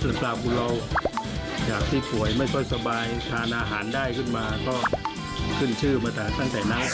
ส่วนปลาของเราจากที่ป่วยไม่ค่อยสบายทานอาหารได้ขึ้นมาก็ขึ้นชื่อมาแต่ตั้งแต่นั้น